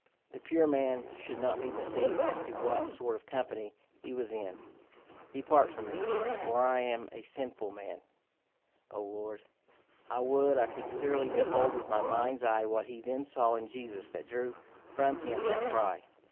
The pure man should not be deceived as to what sort of company he was in! 'Depart from me, for I am a sinful man, O Lord!' I would I could clearly behold with my mind's eye what he then saw in Jesus that drew from him that cry!